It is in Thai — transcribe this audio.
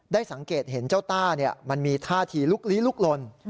สังเกตเห็นเจ้าต้ามันมีท่าทีลุกลี้ลุกลน